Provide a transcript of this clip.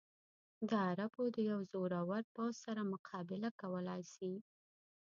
د عربو د یوه زورور پوځ سره مقابله کولای شي.